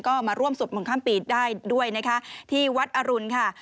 ก็มาร่วมสวดมนต์ข้ามปีได้ด้วยนะคะที่วัดอรุณค่ะ